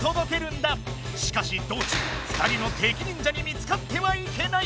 しかし道中２人の敵忍者に見つかってはいけない！